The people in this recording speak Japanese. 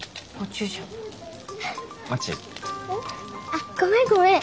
うん？あっごめんごめん。